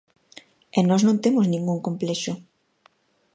E nós non temos ningún complexo.